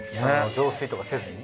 浄水とかせずに？